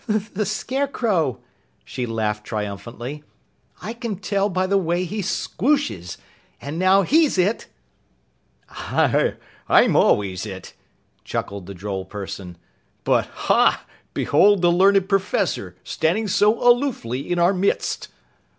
"The Scarecrow!" she laughed triumphantly. "I can tell by the way he skwoshes and now he's it!" "I'm always it!" chuckled the droll person. "But hah! Behold the learned Professor standing so aloofly in our midst."